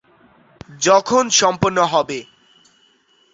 এটা অদ্ভুত, তাই না?